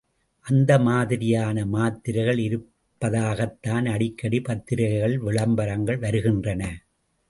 அந்த மாதிரியான மாத்திரைகள் இருப்பதாகத்தான் அடிக்கடி பத்திரிகையில் விளம்பரங்கள் வருகின்றன.